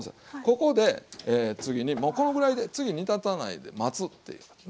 ここで次にもうこのぐらいで次煮立たないで待つっていうね。